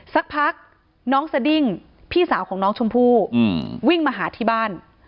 สักพักน้องสดิ้งพี่สาวของน้องชมพู่วิ่งมาหาที่บ้าน